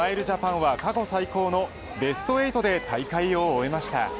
ジャパンは過去最高のベスト８で大会を終えました。